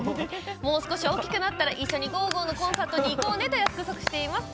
もう少し大きくなったら一緒に５ゴーゴーのコンサートに行こうねと約束しています。